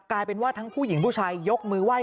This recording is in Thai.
กลายเป็นว่าทั้งผู้หญิงผู้ชายยกมือไห้